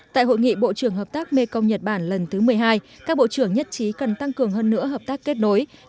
tại hội nghị bộ trưởng hợp tác mê công nhật bản lần thứ một mươi hai các bộ trưởng nhất trí cần tăng cường hơn nữa hợp tác kết nối